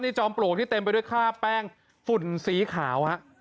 จอมปลวกที่เต็มไปด้วยค่าแป้งฝุ่นสีขาวฮะ